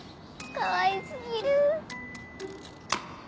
かわい過ぎる！